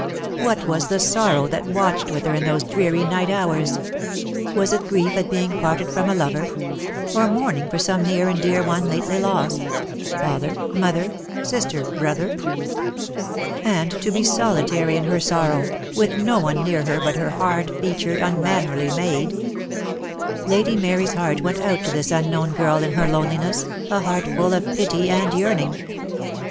What was the sorrow that watched with her in those dreary night hours? Was it grief at being parted from a lover; or mourning for some near and dear one lately lost: father, mother, sister, brother? And to be solitary in her sorrow, with no one near her but her hard featured, unmannerly maid! Lady Mary's heart went out to this unknown girl in her loneliness, a heart full of pity and yearning.